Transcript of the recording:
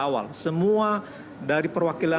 awal semua dari